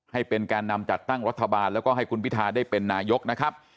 ให้เป็นแก่นำจัดตั้งรัฐบาลแล้วก็ให้คุณพิทาได้เป็นนายกนะครับ